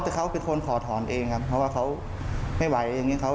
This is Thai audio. แต่เขาบอกว่าไม่สะดวกคุยนะและก็ขอให้กับให้ข้อมูลกับตำรวจเท่านั้น